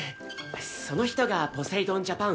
その人がポセイドンジャパン。